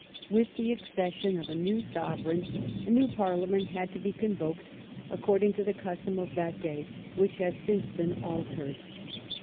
With the accession of a new sovereign, a new Parliament had to be convoked, according to the custom of that day, which has since been altered.